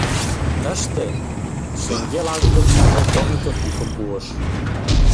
— Тыште! — шеҥгел аҥ гыч Полковников йӱкым пуыш.